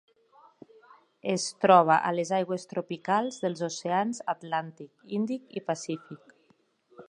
Es troba a les aigües tropicals dels oceans Atlàntic, Índic i Pacífic.